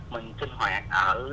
mình sinh hoạt ở